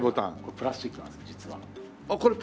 プラスチックなんですよ。